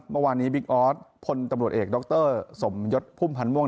เมื่อวานนี้บิ๊กออสพลตำรวจเอกดรสมยศพุ่มพันธ์ม่วง